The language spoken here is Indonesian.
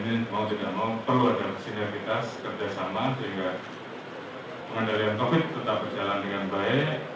dan ini mau tidak mau perlu ada sinergitas kerjasama sehingga pengendalian covid sembilan belas tetap berjalan dengan baik